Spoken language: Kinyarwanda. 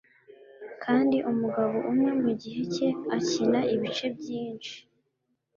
kandi umugabo umwe mugihe cye akina ibice byinshi